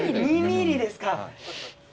２ミリですか？